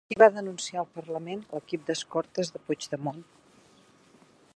Qui va denunciar al parlament l'equip d'escortes de Puigdemont?